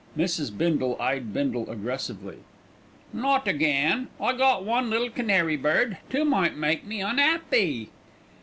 Mrs. Bindle eyed Bindle aggressively. "Not again; I got one little canary bird; two might make me un'appy."